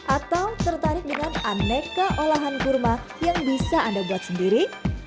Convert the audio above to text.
atau tertarik dengan aneka olahan kurma yang bisa anda buat sendiri